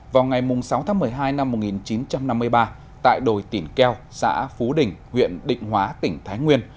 vào ngày sáu tháng một mươi hai năm một nghìn chín trăm năm mươi ba tại đồi tỉnh keo xã phú đình huyện định hóa tỉnh thái nguyên